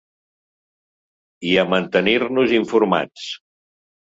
I a mantenir-nos informats